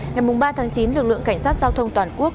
ngày ba chín lực lượng cảnh sát giao thông toàn quốc